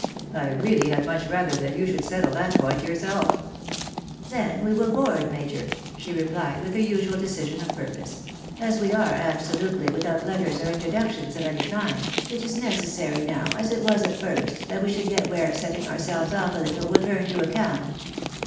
" I really had mnch rather that you should settle that point yourself." " Then we will board, major," she replied, with her usual decision of purpose. " As we are absolutely without letters or introductions of any kind, it is necessary now, as it was at first, that we should get where setting ourselves off a little will turn to account."